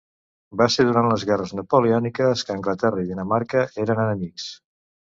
Va ser durant les guerres napoleòniques que Anglaterra i Dinamarca eren enemics.